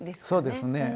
そうですね。